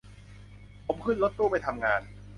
ผมขึ้นรถตู้ไปทำงาน